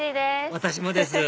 私もです